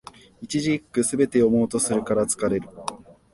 一字一句、すべて読もうとするから疲れる